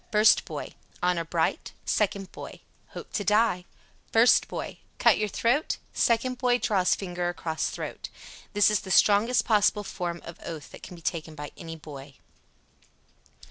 First boy: "Honor bright?" Second boy: "Hope to die." First boy: "Cut your throat?" Second boy draws finger across throat. This is the strongest possible form of oath that can be taken by a boy.